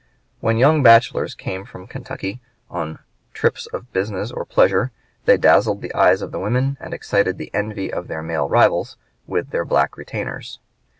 When young bachelors came from Kentucky on trips of business or pleasure, they dazzled the eyes of the women and excited the envy of their male rivals with their black retainers.